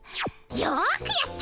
よくやった。